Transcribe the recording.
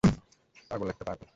পাগল একটা পাগল।